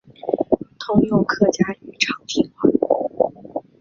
通用客家语长汀话。